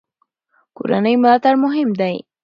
کورنۍ ملاتړ مهم دی.